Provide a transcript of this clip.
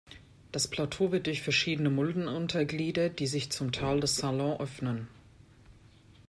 Das Plateau wird durch verschiedene Mulden untergliedert, die sich zum Tal des Salon öffnen.